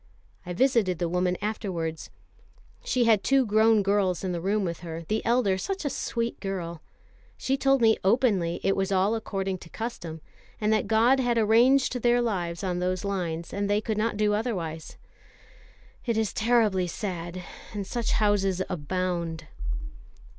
I visited the woman afterwards. She had two grown girls in the room with her, the elder such a sweet girl. She told me openly it was all according to custom, and that God had arranged their lives on those lines, and they could not do otherwise. It is terribly sad, and such houses abound."